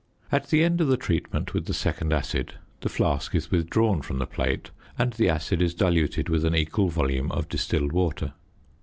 At the end of the treatment with the second acid the flask is withdrawn from the plate and the acid is diluted with an equal volume of distilled water.